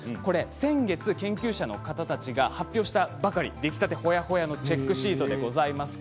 先月、研究所の方たちが発表したばかり出来たてほやほやのチェックシートでございます。